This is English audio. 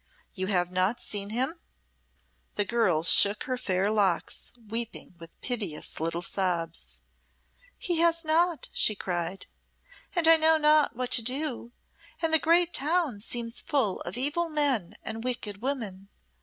"You have not seen him?" The girl shook her fair locks, weeping with piteous little sobs. "He has not," she cried, "and I know not what to do and the great town seems full of evil men and wicked women.